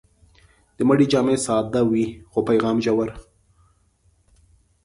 د مړي جامې ساده وي، خو پیغام ژور.